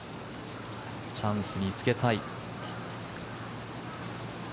チャンスにつけたい。